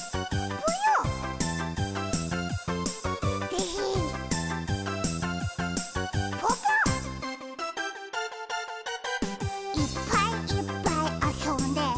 ぽぽ「いっぱいいっぱいあそんで」